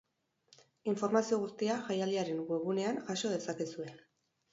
Informazio guztia jaialdiaren webgunean jaso dezakezue.